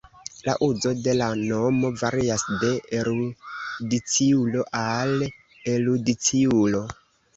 La uzo de la nomo varias de erudiciulo al erudiciulo.